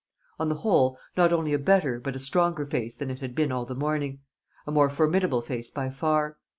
On the whole, not only a better but a stronger face than it had been all the morning, a more formidable face by far.